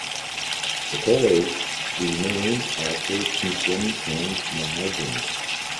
The college is named after Kishen Chand Mahajan.